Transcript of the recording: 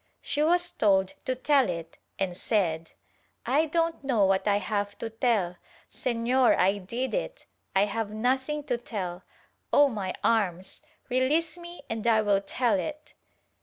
She was told to tell it and said "I don't know what I have to tell — Senor I did it — I have nothing to tell — Oh my arms! release me and I will tell it."